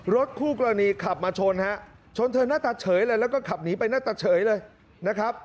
รถคู่กรณีขับมาชนฮะชนเธอหน้าตาเฉยเลยแล้วก็ขับหนีไปหน้าตาเฉยเลยนะครับ